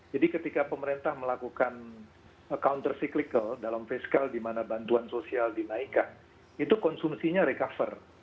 jadi ketika pemerintah melakukan counter cyclical dalam fiscal di mana bantuan sosial dinaikkan itu konsumsinya recover